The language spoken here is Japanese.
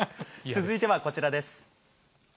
続いてはこちらです。